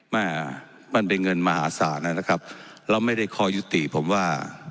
แม่มันเป็นเงินมหาศาลนะครับแล้วไม่ได้คอยยุติผมว่า